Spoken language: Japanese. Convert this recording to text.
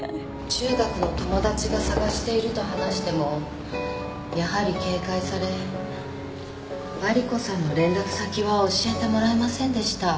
中学の友達が捜していると話してもやはり警戒されマリコさんの連絡先は教えてもらえませんでした。